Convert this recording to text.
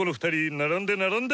並んで並んで！